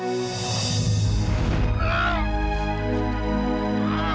mas aku mau ke mobil